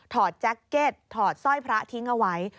แจ็คเก็ตถอดสร้อยพระทิ้งเอาไว้